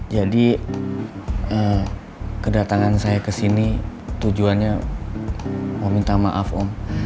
jadi kedatangan saya kesini tujuannya mau minta maaf om